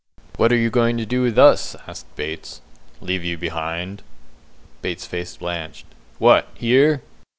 "What are you going to do with us?" asked Bates. "Leave you behind." Bates's face blanched. "What, here?"